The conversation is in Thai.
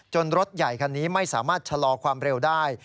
รถใหญ่คันนี้ไม่สามารถชะลอความเร็วได้